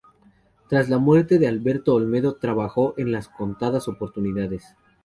Tras la muerte de Alberto Olmedo trabajó en contadas oportunidades.